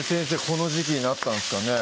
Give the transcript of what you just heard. この時期になったんですかね？